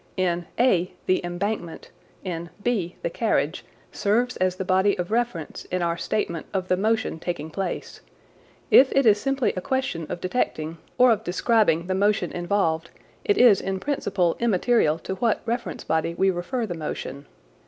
In (a) the embankment, in (b) the carriage, serves as the body of reference in our statement of the motion taking place. If it is simply a question of detecting or of describing the motion involved, it is in principle immaterial to what reference body we refer the motion.